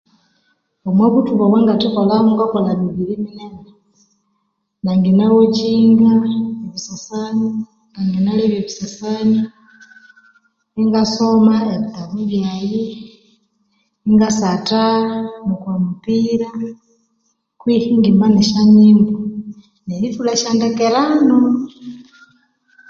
Omwabuthuku obwangathekolhamu ngakolha mibiri minene nangina ghokyinga ebisisani nangina lebya ebisisani ingasoma ebittabu byayi ingasatha okwa mupira kwihi ingimba esyanyimbo nerthulha esyandekerano